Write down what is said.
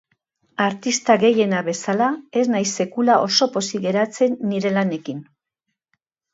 Artista gehienak bezala, ez naiz sekula oso pozik geratzen nire lanekin.